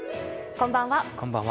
こんばんは。